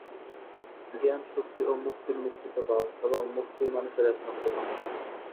জ্ঞান শক্তি ও মুক্তির মিশ্রিত ভাব, এবং মুক্তিই মানুষের একমাত্র কাম্য।